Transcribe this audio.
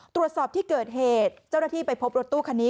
ตรวจสอบที่เกิดเหตุเจ้าหน้าที่ไปพบรถตู้คันนี้